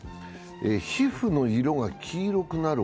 皮膚の色が黄色くなる